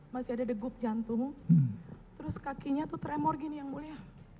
masih ada degup jantung terus kakinya tuh teremor gini yang mulia